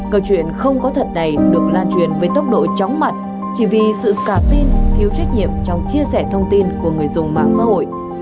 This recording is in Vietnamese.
câu chuyện không có thật này được lan truyền với tốc độ chóng mặt chỉ vì sự cảm tin thiếu trách nhiệm trong chia sẻ thông tin của người dùng mạng xã hội